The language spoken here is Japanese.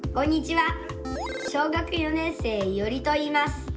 小学４年生いおりといいます。